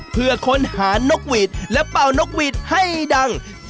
เพื่อค้นหานกหวีดและเป่านกหวีดให้ดัง